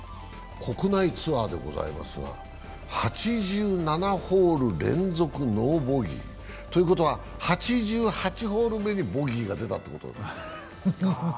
国内ツアーでございますが８７ホール連続ノーボギー。ということは、８８ホール目にボギーが出たってこと？